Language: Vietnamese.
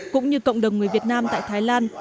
cũng như cộng đồng người việt nam tại thái lan